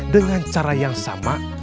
dengan cara yang sama